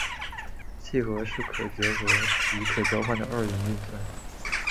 楔和是可结合及可交换的二元运算。